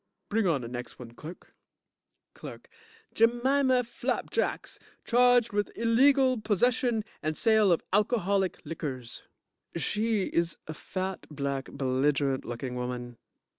Bring on de next one, clerk. CLERK Jemima Flap Cakes, charged with illegal possession and sale of alcoholic liquors. JUDGE (She is a fat, black, belligerent looking woman.